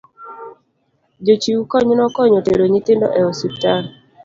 jochiw kony nokonyo tero nyithindo e ospital